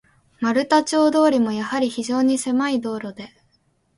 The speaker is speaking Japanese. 丸太町通も、やはり非常にせまい道路で、